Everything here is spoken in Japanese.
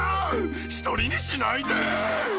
１人にしないで！」